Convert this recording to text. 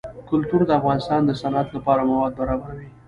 کلتور د افغانستان د صنعت لپاره مواد برابروي.